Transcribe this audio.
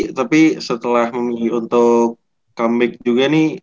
mas tapi setelah untuk comeback juga nih